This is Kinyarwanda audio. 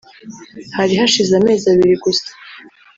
Hari hashize amezi abiri gusa